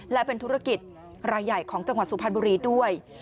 และเป็นธุรกิจรายใหญ่ของจังหวัดสุพรรณบุรีด้วย